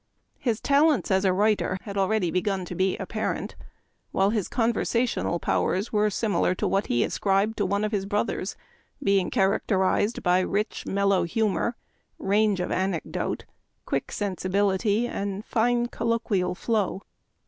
His talents as a writer had already be gan to be apparent, while his conversational powers were similar to what he ascribed to one of his brothers, being characterized by " rich, mellow humor, range of anecdote, quick sensi bility, and fine colloquial flow."